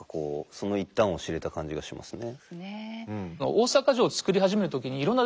その一端を知れた感じがしますね。